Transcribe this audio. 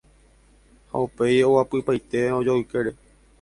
ha upéi oguapypaite ojoykére